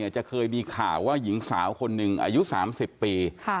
จะเคยมีข่าวว่าหญิงสาวคนหนึ่งอายุ๓๐ปี